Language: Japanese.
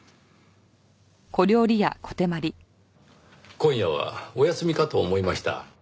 今夜はお休みかと思いました。